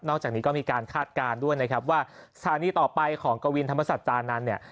จากนี้ก็มีการคาดการณ์ด้วยนะครับว่าสถานีต่อไปของกวินธรรมศาจานันทร์เนี่ย